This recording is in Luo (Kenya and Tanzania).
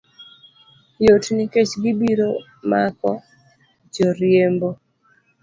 Yot nikech gibiro mako joriembo